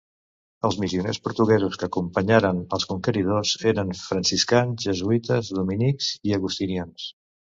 Els missioners portuguesos que acompanyaren els conqueridors eren franciscans, jesuïtes, dominics i agustinians.